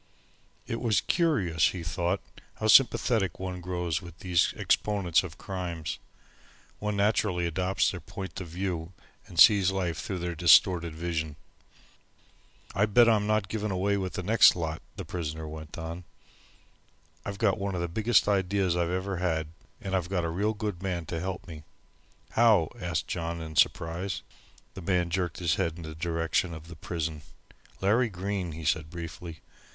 It was curious, he thought, how sympathetic one grows with these exponents of crimes. One naturally adopts their point of view and sees life through their distorted vision. "I bet I'm not given away with the next lot," the prisoner went on. "I've got one of the biggest ideas I've ever had, and I've got a real good man to help me." "How?" asked John, in surprise. The man jerked his head in the direction of the prison. "Larry Green," he said briefly.